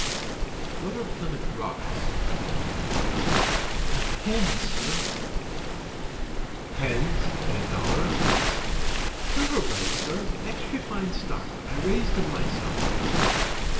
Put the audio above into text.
"What are Plymouth Rocks?" he demanded. "He hens, sir." "Hens at a dollar apiece?" "Thoroughbreds, sir. Extry fine stock. I raised 'em myself."